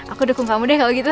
aku dukung kamu deh kalau gitu